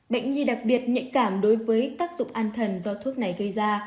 bệnh nhi đặc biệt nhạy cảm đối với tác dụng an thần do thuốc này gây ra